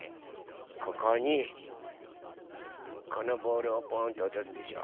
ここにこのボールをポンとおとすでしょ？